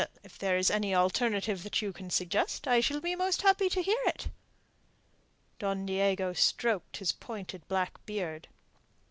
"If there is any alternative that you can suggest, I shall be most happy to consider it." Don Diego stroked his pointed black beard.